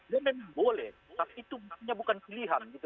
mungkin boleh tapi itu bukan pilihan gitu